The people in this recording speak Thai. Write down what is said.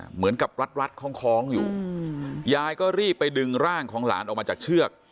เหมือนกับรัดคล้องอยู่ยายก็รีบไปดึงร่างของหลานออกมาจากเชือก